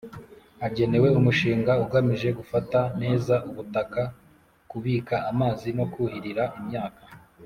agenewe umushinga ugamije gufata neza ubutaka kubika amazi no kuhirira imyaka